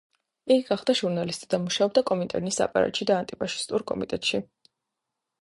იგი გახდა ჟურნალისტი და მუშაობდა კომინტერნის აპარატში და ანტიფაშისტურ კომიტეტში.